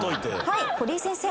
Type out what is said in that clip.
はい堀井先生。